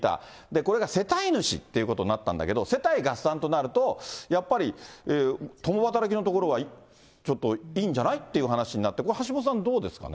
これが世帯主っていうことになったんだけど、世帯合算となると、やっぱり共働きのところはちょっといいんじゃないっていう話になって、これ、橋下さん、どうですかね？